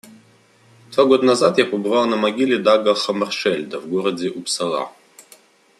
Два года назад я побывал на могиле Дага Хаммаршельда в городе Уппсала.